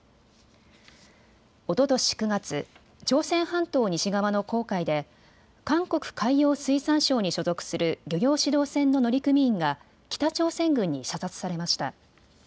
おととし９月、朝鮮半島西側の黄海で韓国海洋水産省に所属する漁業指導船の乗組員が北朝鮮軍に射殺されました。